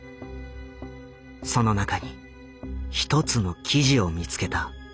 その中に一つの記事を見つけた。